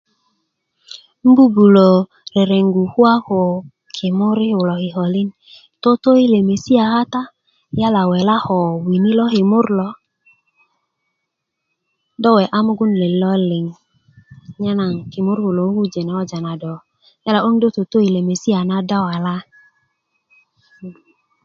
un bubulö reregu kuwa ko kimur yi kulo kikolin toto yi lemesiya kata yela a ko wela ko wini lo kimur lo do we'a' mugun let lo liŋ nye naŋ kimur kulo kukujen koja na do yela 'boŋ do toto yi lemesiya na do walan